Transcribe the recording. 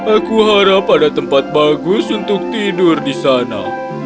aku harap ada tempat bagus untuk tidur di sana